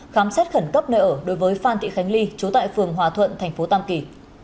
khám xét khẩn cấp nơi ở đối với phan thị khánh ly chú tại phường hòa thuận thành phố tam kỳ